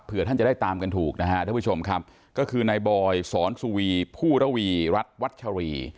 เพื่อท่านจะได้ตามกันถูกนะฮะท่านผู้ชมครับก็คือนายบอยสอนสุวีผู้ระวีรัฐวัชรี